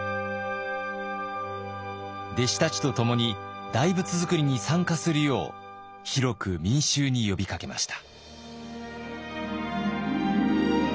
弟子たちとともに大仏づくりに参加するよう広く民衆に呼びかけました。